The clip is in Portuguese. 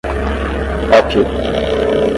ópio